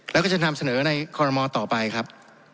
แล้วก็จะนำเสนอในคอรมอต่อไปครับ